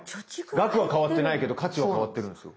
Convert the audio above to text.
額は変わってないけど価値は変わってるんですよ。